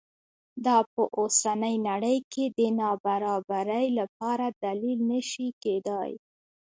دا په اوسنۍ نړۍ کې د نابرابرۍ لپاره دلیل نه شي کېدای.